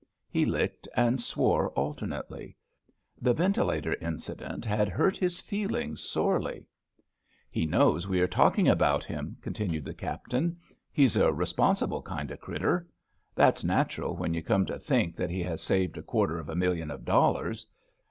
He licked and swore alternately. The ventilator incident had hurt his feelings sorely. 6 ABAFT THE FUNNEL He knows we are talking about him/* con tinued the Captain. He^s a responsible kind * critter. That *s natural when you come to think that he has saved a quarter of a million of dollars.